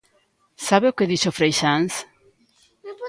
¿Sabe o que dixo Freixáns?